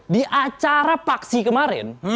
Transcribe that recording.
di acara paksi kemarin